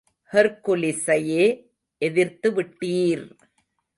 ஹெர்க்குலிஸையே எதிர்த்து விட்டீர்!